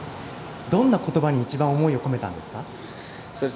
どんな言葉に一番思いを込めたんですか？